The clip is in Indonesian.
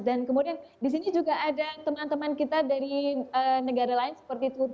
dan kemudian di sini juga ada teman teman kita dari negara lain seperti turki